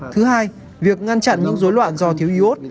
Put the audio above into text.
thứ hai việc ngăn chặn những dối loạn do thiếu iốt